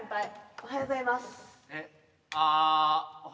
おはようございます。